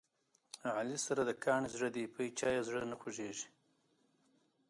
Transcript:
علي سره د کاڼي زړه دی، په هیچا یې زړه نه خوګېږي.